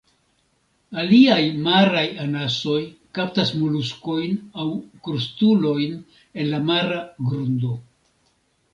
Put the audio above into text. Aliaj maraj anasoj kaptas moluskojn aŭ krustulojn el la mara grundo.